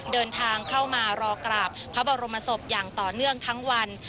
เดินทางเข้ามารอกราบพระบรมศพอย่างต่อเนื่องทั้งวัน